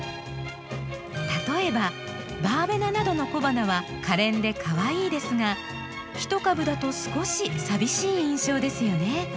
例えばバーベナなどの小花はかれんでかわいいですが１株だと少し寂しい印象ですよね。